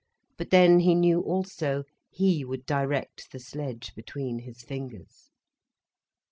But then he knew also he would direct the sledge between his fingers.